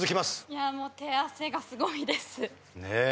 いやもう手汗がすごいです。